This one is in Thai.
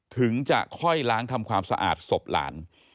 ถึงจะค่อยล้างทำความสะอาดศพหลาน